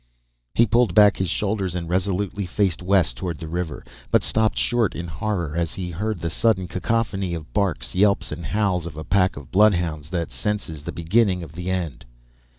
_ _He pulled back his shoulders and resolutely faced west toward the river, but stopped short in horror as he heard the sudden cacophony of barks, yelps and howls of a pack of bloodhounds that senses the beginning of the end.